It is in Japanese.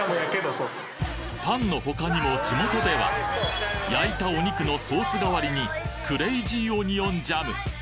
パンの他にも地元では焼いたお肉のソース代わりにクレイジーオニオンジャム